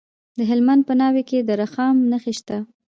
د هلمند په ناوې کې د رخام نښې شته.